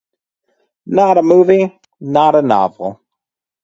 Not a movie, not a novel.